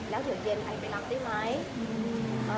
แล้วเดี๋ยวเย็นใครไปรับได้ไหม